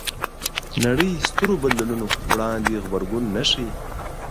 نړۍ سترو بدلونونو وړاندې غبرګون نه ښيي